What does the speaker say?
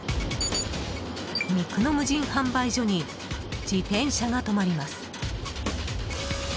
肉の無人販売所に自転車が止まります。